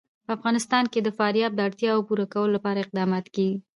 په افغانستان کې د فاریاب د اړتیاوو پوره کولو لپاره اقدامات کېږي.